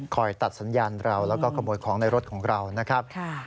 ตัดสัญญาณเราแล้วก็ขโมยของในรถของเรานะครับ